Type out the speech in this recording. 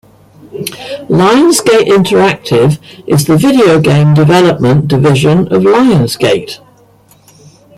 Lionsgate Interactive is the video game development division of Lionsgate.